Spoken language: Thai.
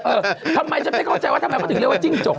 เออทำไมฉันไม่เข้าใจว่าทำไมเขาถึงเรียกว่าจิ้งจก